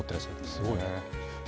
すごいね。